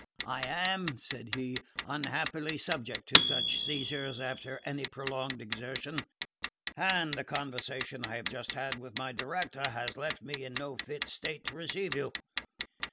"I am," said he, "unhappily subject to such seizures after any prolonged exertion, and a conversation I have just had with my director has left me in no fit state to receive you.